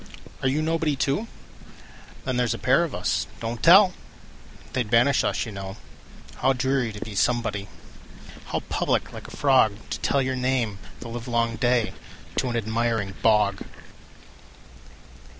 Are you nobody, too? Then there 's a pair of us—don't tell! They 'd banish us, you know. How dreary to be somebody! How public, like a frogTo tell your name the livelong dayTo an admiring bog!